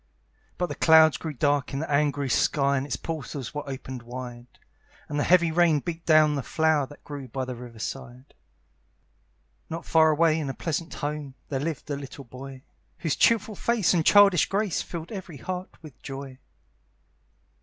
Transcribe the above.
But the clouds grew dark in the angry sky, And its portals were opened wide; And the heavy rain beat down the flower That grew by the river side. Not far away in a pleasant home, There lived a little boy, Whose cheerful face and childish grace Filled every heart with joy.